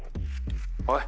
おい！